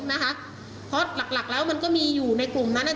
เพราะหลักแล้วมันก็มีอยู่ในกลุ่มนั้น